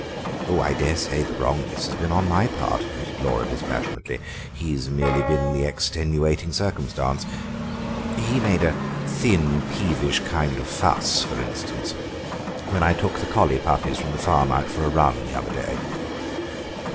"Oh, I daresay the wrongness has been on my part," admitted Laura dispassionately; "he has merely been the extenuating circumstance. He made a thin, peevish kind of fuss, for instance, when I took the collie puppies from the farm out for a run the other day."